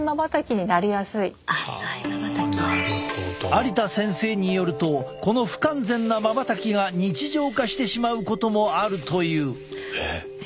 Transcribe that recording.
有田先生によるとこの不完全なまばたきが日常化してしまうこともあるという。